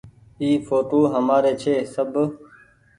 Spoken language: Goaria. اي ڦوٽو همآري ڇي۔ سب ۔